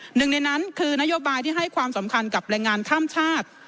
หนึ่งในนั้นคือนโยบายที่ให้ความสำคัญกับแรงงานข้ามชาติ